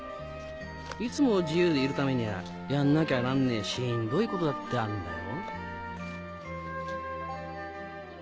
いつも自由でいるためにゃあやんなきゃなんねえしんどいことだってあるんだよ。